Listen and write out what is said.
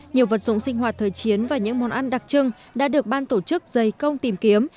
nhiều vật dụng sinh hoạt thời chiến và những món ăn đặc trưng đã được ban tổ chức dày công tìm kiếm